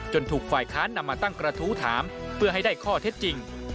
ถูกฝ่ายค้านนำมาตั้งกระทู้ถามเพื่อให้ได้ข้อเท็จจริง